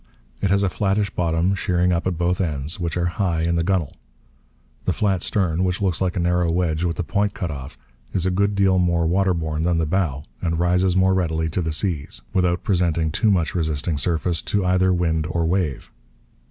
It has a flattish bottom, sheering up at both ends, which are high in the gunwale. The flat stern, which looks like a narrow wedge with the point cut off, is a good deal more waterborne than the bow and rises more readily to the seas without presenting too much resisting surface to either wind or wave.